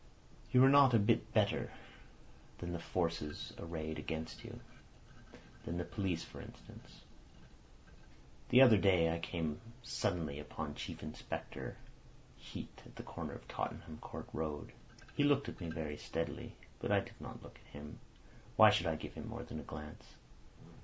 "You are not a bit better than the forces arrayed against you—than the police, for instance. The other day I came suddenly upon Chief Inspector Heat at the corner of Tottenham Court Road. He looked at me very steadily. But I did not look at him. Why should I give him more than a glance?